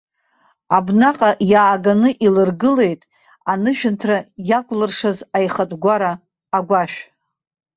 Абнаҟа иааганы илыргылеит анышәынҭра иакәлыршаз аихатә гәара, агәашә.